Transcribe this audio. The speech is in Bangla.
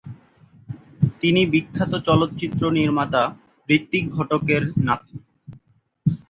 তিনি বিখ্যাত চলচ্চিত্র নির্মাতা ঋত্বিক ঘটকের নাতি।